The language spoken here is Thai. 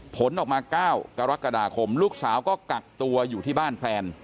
ผลออกมา๙กรกฎาคมลูกสาวก็กักตัวอยู่ที่บ้านแฟน